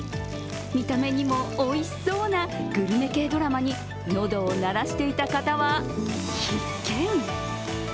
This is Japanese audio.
見た目にもおいしそうなグルメ系ドラマに喉を鳴らしていた方は、必見。